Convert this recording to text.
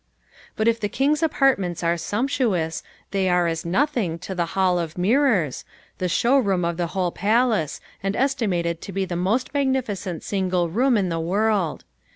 But if the King's apartments are sumptuous, they are as nothing to the Hall of Mirrors, the showroom of the whole palace, and estimated to be the most magnificent single room in the world.